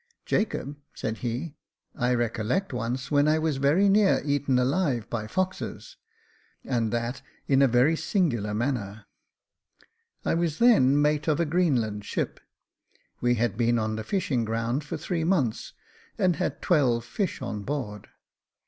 "Jacob," said he, "I recollect once when I was very near eaten alive by foxes, and that in a very singular manner. I was then mate of a Greenland ship. "We had been on the fishing ground for three months, and had twelve fish on board.